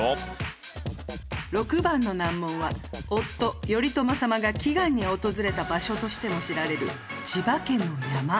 ６番の難問は夫・頼朝様が祈願に訪れた場所としても知られる千葉県の山。